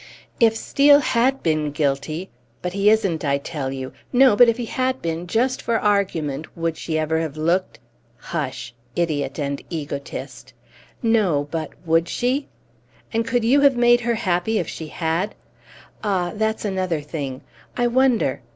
"If Steel had been guilty but he isn't, I tell you no, but if he had been, just for argument, would she ever have looked hush! idiot and egotist! No, but would she? And could you have made her happy if she had? Ah, that's another thing ... I wonder!